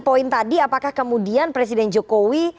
poin tadi apakah kemudian presiden jokowi